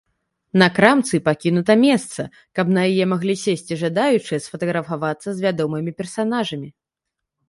На крамцы пакінута месца, каб на яе маглі сесці жадаючыя сфатаграфавацца з вядомымі персанажамі.